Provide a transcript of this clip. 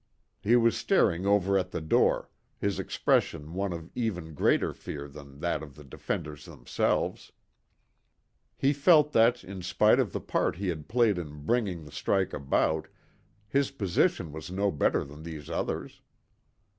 He was staring over at the door, his expression one of even greater fear than that of the defenders themselves. He felt that, in spite of the part he had played in bringing the strike about, his position was no better than these others.